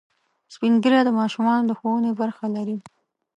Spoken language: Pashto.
سپین ږیری د ماشومانو د ښوونې برخه لري